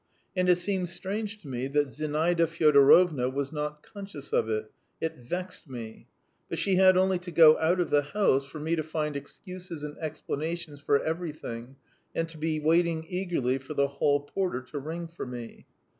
And it seemed strange to me that Zinaida Fyodorovna was not conscious of it; it vexed me. But she had only to go out of the house for me to find excuses and explanations for everything, and to be waiting eagerly for the hall porter to ring for me.